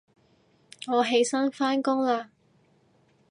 我起身返工喇